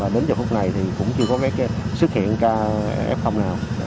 đến giờ phút này cũng chưa có xuất hiện ca f nào